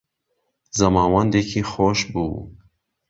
زەماوندێکی خۆش بوو